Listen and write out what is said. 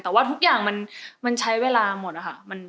แต่ว่าทุกอย่างมันใช้เวลาหมดนะคะ